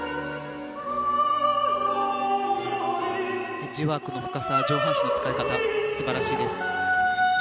エッジワークの深さ上半身の使い方素晴らしいです。